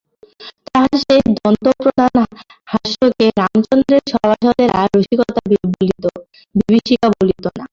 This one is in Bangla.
তাহার সেই দন্তপ্রধান হাস্যকে রামচন্দ্রের সভাসদেরা রসিকতা বলিত, বিভীষিকা বলিত না!